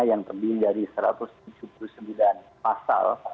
yang terdiri dari satu ratus tujuh puluh sembilan pasal